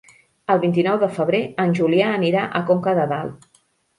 El vint-i-nou de febrer en Julià anirà a Conca de Dalt.